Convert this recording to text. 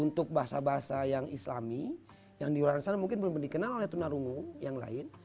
untuk bahasa bahasa yang islami yang di luar sana mungkin belum dikenal oleh tunarungu yang lain